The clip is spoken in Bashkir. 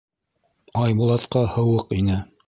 Айбулатҡа һыуыҡ ине.